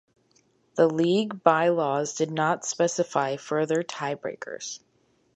The league by-laws did not specify further tiebreakers.